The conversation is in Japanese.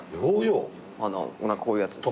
こういうやつっす。